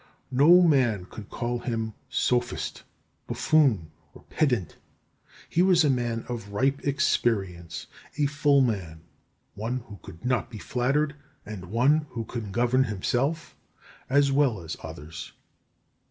No man could call him sophist, buffoon, or pedant. He was a man of ripe experience, a full man, one who could not be flattered, and who could govern himself as well as others.